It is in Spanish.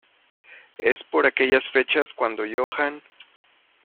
Es por aquellas fechas cuando Johann.